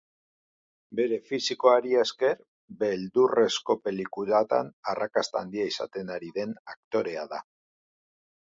Bere fisikoari esker, beldurrezko pelikulatan arrakasta handia izaten ari den aktorea da.